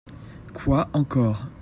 Quoi encore ?